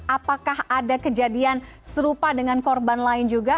apakah ada kejadian serupa dengan korban lain juga